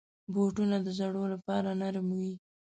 بوټونه د زړو لپاره نرم وي.